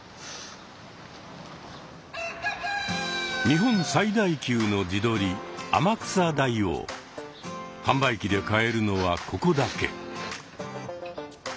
日本最大級の地鶏販売機で買えるのはここだけ。